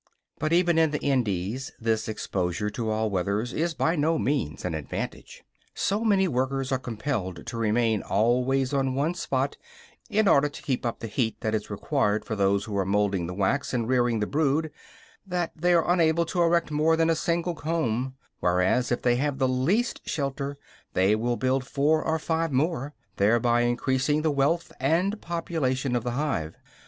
But even in the Indies this exposure to all weathers is by no means an advantage. So many workers are compelled to remain always on one spot, in order to keep up the heat that is required for those who are molding the wax and rearing the brood, that they are unable to erect more than a single comb; whereas, if they have the least shelter, they will build four or five more, thereby increasing the wealth and population of the hive.